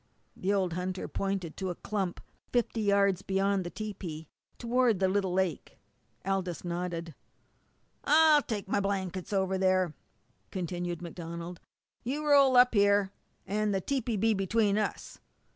The old hunter pointed to a clump fifty yards beyond the tepee toward the little lake. Aldous nodded. "I'll take my blankets over there," continued MacDonald. "You roll yourself up here, and the tepee'll be between us.